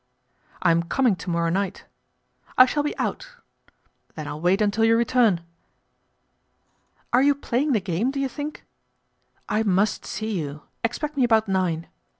" I'm coming to morrow night." " I shall be out." " Then I'll wait until you return." " Are you playing the game, do you think ?" I must see you. Expect me about nine."